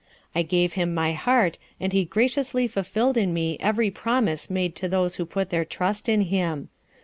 I gave Him my heart, and He graciously fulfilled in me every promise made to those who put their trust in Him.